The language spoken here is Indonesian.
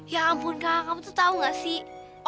ya ampun kak kamu tuh tahu gak sih